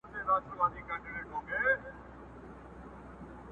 دومره پوه سوه چي مېږیان سره جنګېږي.!